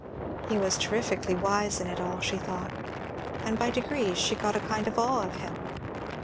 He was terrifically wise in it all, she thought; and by degrees she got a kind of awe of him.